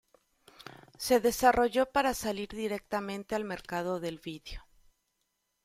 Se desarrolló para salir directamente al mercado del video.